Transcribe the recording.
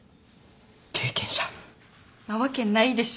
経験者？なわけないでしょ。